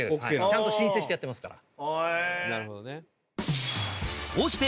ちゃんと申請してやってますから。